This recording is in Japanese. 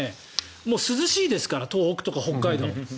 涼しいですから東北とか北海道。